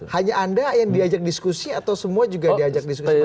hanya anda yang diajak diskusi atau semua juga diajak diskusi